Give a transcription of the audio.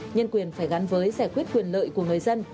nhân quyền phải gắn với giải quyết quyền lợi của người dân